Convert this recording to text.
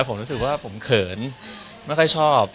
ผมรู้สึกว่าผมเขินไม่ค่อยชอบ